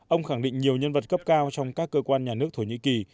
ông khẳng định nhiều nhân vật cấp cao trong các cơ quan nhà nước thổ nhĩ kỳ